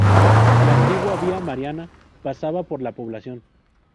La antigua Vía Mariana, pasaba por la población.